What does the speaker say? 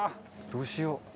どうしよう。